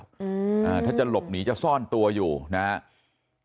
อืมอ่าถ้าจะหลบหนีจะซ่อนตัวอยู่นะครับ